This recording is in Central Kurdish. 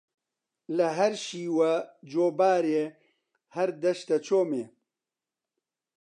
لە هەر شیوە جۆبارێ هەر دەشتە چۆمێ